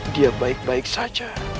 dia baik baik saja